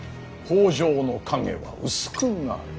北条の影は薄くなる。